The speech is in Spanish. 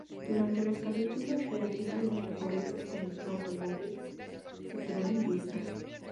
Durante los capítulos realizan los recorridos en un automóvil Citroën Visa.